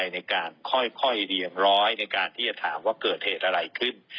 ในการค่อยเรียบร้อยในการที่จะถามว่าเกิดเหตุอะไรขึ้น